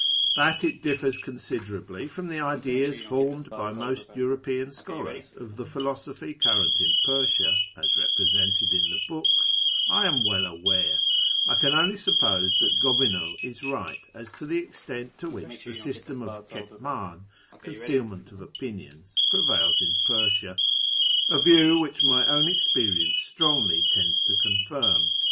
That it differs considerably from the ideas formed by most European MYSTICISM, METAPHYSIC, AND MAGIC 143 scholars of the philosophy current in Persia, as represented in the books, I am well aware. I can only suppose that Gobineau is right as to the extent to which the system of '^Jcetmdn" (concealment of opinions) prevails in Persia, — a view which my own experience strongly tends to confirm.